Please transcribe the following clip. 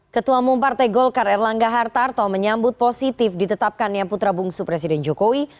ketua umum partai golkar erlangga hartarto menyambut positif ditetapkan yang putra bungsu presiden jokowi